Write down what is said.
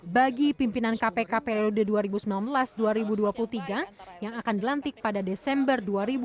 bagi pimpinan kpk periode dua ribu sembilan belas dua ribu dua puluh tiga yang akan dilantik pada desember dua ribu dua puluh